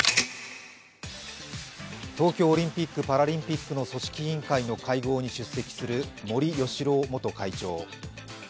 東京オリンピック・パラリンピックの組織委員会の会合に出席する森喜朗元会長。